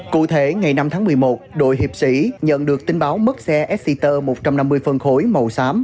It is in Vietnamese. cụ thể ngày năm tháng một mươi một đội hiệp sĩ nhận được tin báo mất xe esger một trăm năm mươi phân khối màu xám